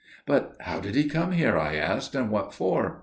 "'But how did he come here?' I asked, 'and what for?